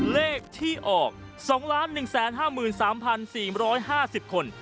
เลขที่ออก๒๑๕๓๔๕๐คน